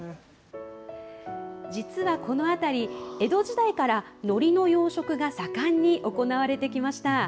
実はこの辺り、江戸時代からのりの養殖が盛んに行われてきました。